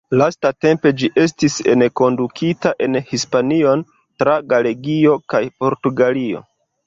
Lastatempe ĝi estis enkondukita en Hispanion tra Galegio kaj Portugalio.